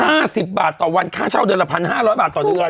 บ้านเช่า๕๐บาทต่อวันค่าเช่าเดือนละ๑๕๐๐บาทต่อเดือน